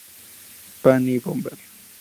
Panic Bomber